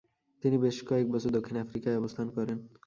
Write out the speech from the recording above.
তিনি বেশ কয়ক বছর দক্ষিণ আফ্রিকায় অবস্থান করেন।